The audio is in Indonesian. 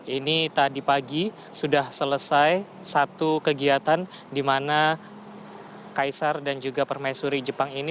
ini tadi pagi sudah selesai satu kegiatan di mana kaisar dan juga permaisuri jepang ini